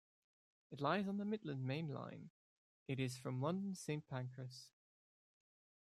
It lies on the Midland Main Line, it is from London Saint Pancras.